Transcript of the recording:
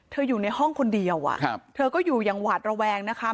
อยู่ในห้องคนเดียวเธอก็อยู่อย่างหวาดระแวงนะคะ